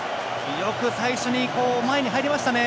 よく最初に前に入りましたね。